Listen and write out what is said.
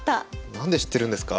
何で知ってるんですか？